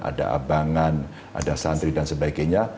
ada abangan ada santri dan sebagainya